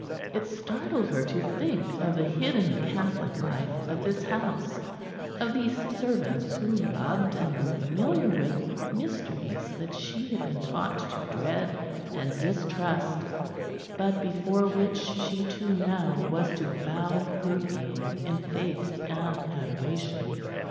It startled her to think of the hidden Catholic life of this house of these servants who loved and were familiar with mysteries that she had been taught to dread and distrust, but before which she too now was to bow her being in faith and adoration.